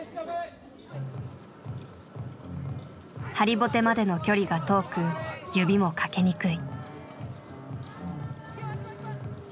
ハリボテまでの距離が遠く指もかけにくい。